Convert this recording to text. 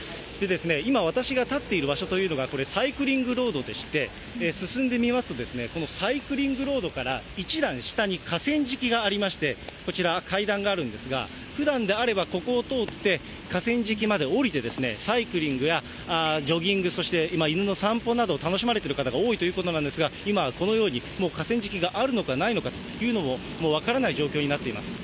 今、私が立っている場所というのが、これ、サイクリングロードでして、進んでみますと、このサイクリングロードから一段下に河川敷がありまして、こちら、階段があるんですが、ふだんであれば、ここを通って河川敷まで下りてサイクリングやジョギング、そして犬の散歩など、楽しまれる方が多いということなんですが、今はこのように、もう河川敷があるのかないのかというのも分からない状況になっています。